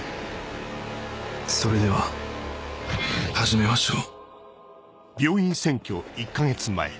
それでは始めましょう。